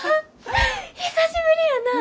久しぶりやな！